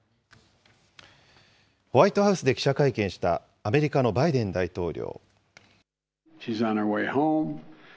ホワイトハウスで記者会見したアメリカのバイデン大統領。